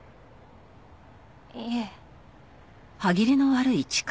いえ。